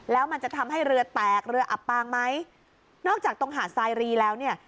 แล้วมันจะทำให้เรือแตกเรืออับปางไหมนอกจากตรงหาดทรายรีแล้วเนี่ย